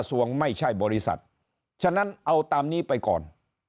วงไม่ใช่บริษัทฉะนั้นเอาตามนี้ไปก่อน